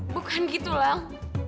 bukan gitu lang